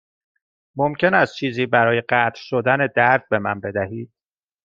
ممکن است چیزی برای قطع شدن درد به من بدهید؟